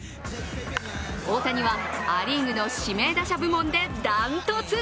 大谷はア・リーグの指名打者部門でダントツ。